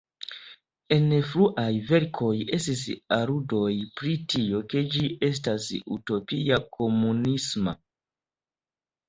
En fruaj verkoj estis aludoj pri tio, ke ĝi estas utopia-komunisma.